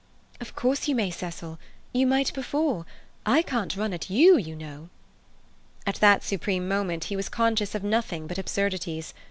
"Of course, you may, Cecil. You might before. I can't run at you, you know." At that supreme moment he was conscious of nothing but absurdities.